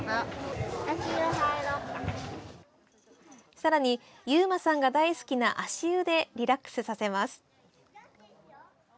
さらに勇馬さんが大好きな足湯でリラックスさせます。